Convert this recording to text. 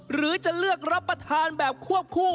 หรือจะเลือกรับประทานแบบควบคู่